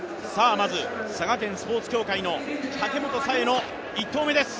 まず佐賀県スポーツ協会の武本紗栄の１投目です。